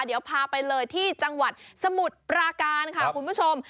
เดี๋ยวพาไปเลยที่จังหวัดสมุทรปราการค่ะคุณผู้ชม